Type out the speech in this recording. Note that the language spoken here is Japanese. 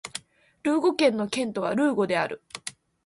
ルーゴ県の県都はルーゴである